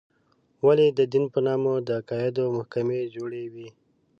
ولې د دین په نامه د عقایدو محکمې جوړې وې.